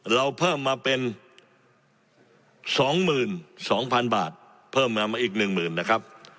เราเพิ่มมาเป็น๒๒๐๐๐บาทเพิ่มมาอีก๑หมื่นนะครับ